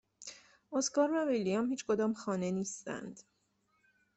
اسکار و ویلیام هیچکدام خانه نیستند.